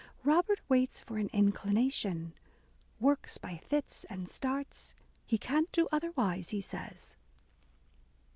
Robert waits for an inclination ; works by fits and starts ; he can't do otherwise, he says."